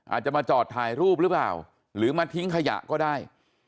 อาจจะมาจอดถ่ายรูปหรือเปล่าหรือมาทิ้งขยะก็ได้